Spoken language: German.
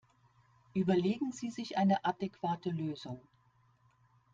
Überlegen Sie sich eine adäquate Lösung!